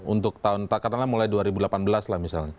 untuk tahun katakanlah mulai dua ribu delapan belas lah misalnya